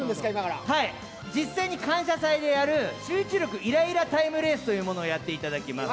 実際に「感謝祭」でやる集中力イライラタイムレースというものをやっていただきます。